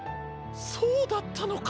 そうだったのか。